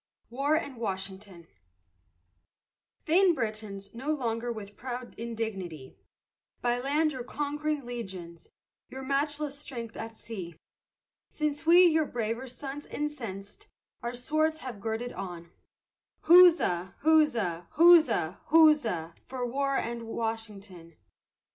WAR AND WASHINGTON Vain Britons, boast no longer with proud indignity, By land your conquering legions, your matchless strength at sea, Since we, your braver sons incensed, our swords have girded on, Huzza, huzza, huzza, huzza, for war and Washington.